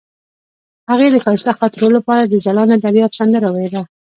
هغې د ښایسته خاطرو لپاره د ځلانده دریاب سندره ویله.